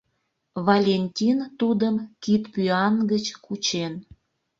Валентин тудым кидпӱан гыч кучен.